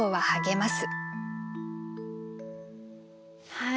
はい。